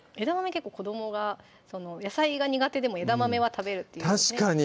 結構子どもが野菜が苦手でも枝豆は食べるっていう確かに！